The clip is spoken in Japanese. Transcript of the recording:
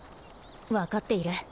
分かっている。